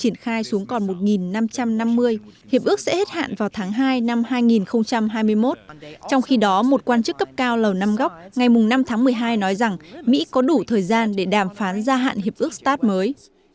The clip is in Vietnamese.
năm tháng một mươi hai nói rằng mỹ có đủ thời gian để đàm phán gia hạn hiệp ước start mới